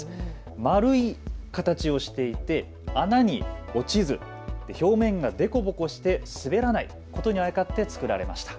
丸い形をしていて穴に落ちず、表面が凸凹して滑らないことにあやかって作られました。